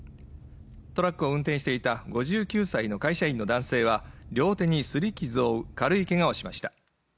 トラックを運転していた５９歳の会社員の男性は両手に擦り傷を負う軽いけがをしました